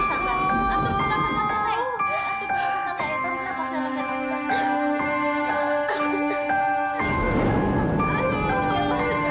antutu nafaslah santai